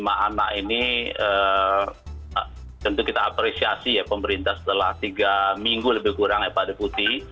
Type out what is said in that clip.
lima anak ini tentu kita apresiasi ya pemerintah setelah tiga minggu lebih kurang ya pak deputi